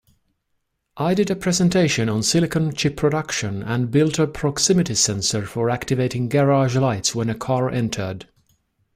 I did a presentation on silicon chip production and built a proximity sensor for activating garage lights when a car entered.